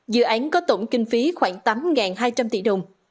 dự án có tổng kinh phí khoảng tám hai trăm linh tỷ đồng